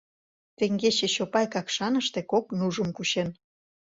Теҥгече Чопай Какшаныште кок нужым кучен.